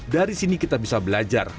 dari sini kita bisa belajar